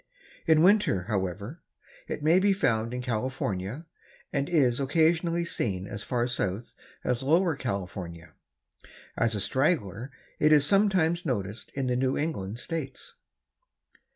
In winter, however, it may be found in California and is occasionally seen as far south as Lower California. As a straggler, it is sometimes noticed in the New England states.